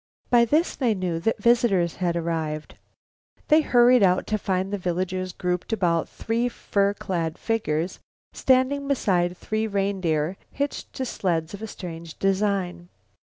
By this they knew that visitors had arrived. They hurried out to find the villagers grouped about three fur clad figures standing beside three reindeer hitched to sleds of a strange design.